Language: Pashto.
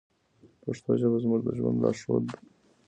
پښتو ژبه زموږ د ژوند لارښود ده.